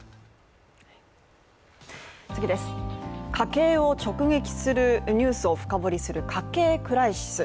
次は、家計を直撃するニュースを深掘りする「家計クライシス」です。